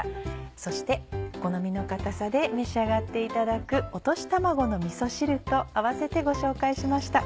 そしてお好みの硬さで召し上がっていただく「落とし卵のみそ汁」と併せてご紹介しました。